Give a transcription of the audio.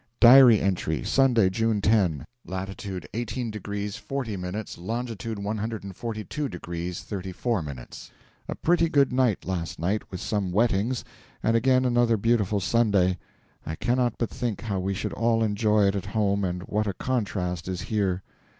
(Diary entry) Sunday, June 10. Latitude 18 degrees 40 minutes, longitude 142 degrees 34 minutes. A pretty good night last night, with some wettings, and again another beautiful Sunday. I cannot but think how we should all enjoy it at home, and what a contrast is here!